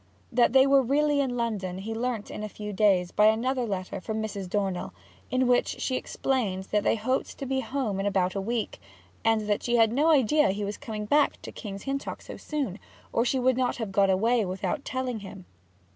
That they were really in London he learnt in a few days by another letter from Mrs. Dornell, in which she explained that they hoped to be home in about a week, and that she had had no idea he was coming back to King's Hintock so soon, or she would not have gone away without telling him.